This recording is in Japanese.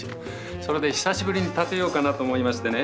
それで久しぶりにたてようかなと思いましてね。